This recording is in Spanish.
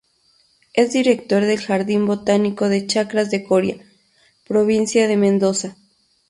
Es director del Jardín botánico de Chacras de Coria, provincia de Mendoza.